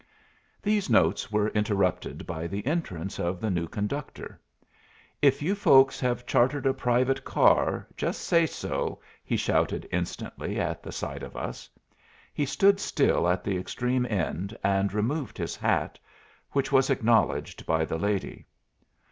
These notes were interrupted by the entrance of the new conductor. "If you folks have chartered a private car, just say so," he shouted instantly at the sight of us. He stood still at the extreme end and removed his hat, which was acknowledged by the lady.